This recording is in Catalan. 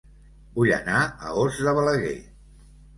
Vull anar a Os de Balaguer